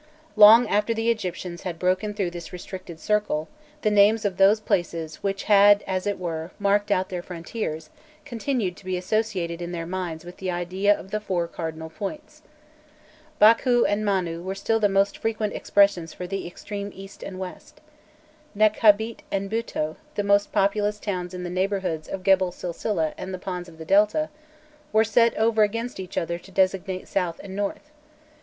Long after the Egyptians had broken through this restricted circle, the names of those places which had as it were marked out their frontiers, continued to be associated in their minds with the idea of the four cardinal points. Bâkhû and Manu were still the most frequent expressions for the extreme East and West. Nekhabit and Bûto, the most populous towns in the neighbourhoods of Gebel Silsileh and the ponds of the Delta, were set over against each other to designate South and North.